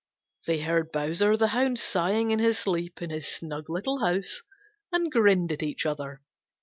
They heard Bowser the Hound sighing in his sleep in his snug little house, and grinned at each other.